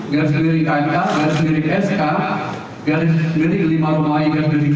garis kering ik garis kering sk garis kering lima rumai dua ribu dua